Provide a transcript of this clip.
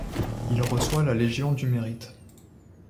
Il reçoit la Légion du Mérite.